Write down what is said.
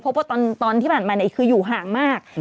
เพราะว่าตอนที่ผ่านมาเนี่ยคืออยู่ห่างมาก